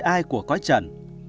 ai của cõi trần